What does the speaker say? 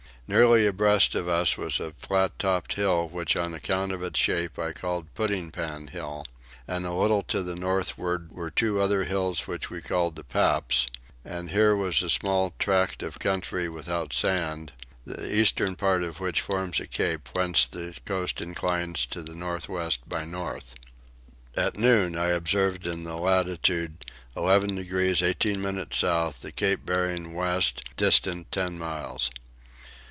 Nearly abreast of us was a flat topped hill which on account of its shape I called Pudding pan hill; and a little to the northward were two other hills which we called the Paps; and here was a small tract of country without sand, the eastern part of which forms a cape whence the coast inclines to the north west by north. At noon I observed in the latitude of 11 degrees 18 minutes south the cape bearing west distant ten miles.